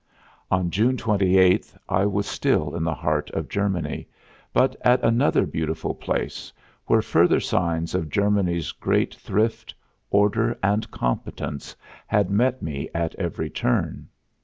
On June twenty eighth I was still in the heart of Germany, but at another beautiful place, where further signs of Germany's great thrift, order and competence had met me at every turn.